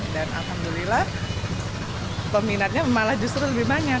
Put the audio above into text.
dan alhamdulillah peminatnya malah justru lebih banyak